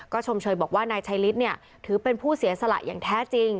ชมเชยบอกว่านายชัยฤทธิ์ถือเป็นผู้เสียสละอย่างแท้จริง